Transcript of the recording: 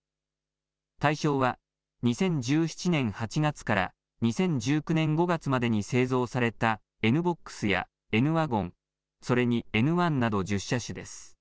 対象は、２０１７年８月から２０１９年５月までに製造されたＮーＢＯＸやＮーＷＧＮ、それにＮーＯＮＥなど１０車種です。